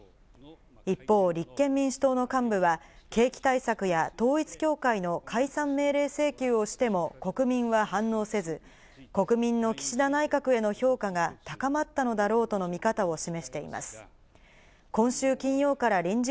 一方、立憲民主党の幹部は景気対策や統一教会の解散命令請求をしても国民は反応せず、国民の岸田内閣への評価がさだまったのだろうとの見方を示しています。